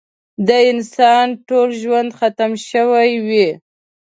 د انسان ټول ژوند ختم شوی وي.